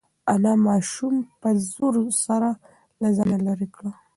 انا ماشوم په زور سره له ځانه لرې کړ.